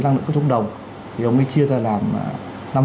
năng lượng cốc chống đồng thì ông ấy chia ra làm